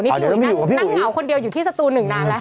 นี่พี่หนักเหงาคนเดียวอยู่ที่สตูลนึงนานแล้ว